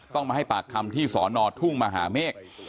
ต้องมาให้ปากคำที่สอนอทุ่งมหาเมฆ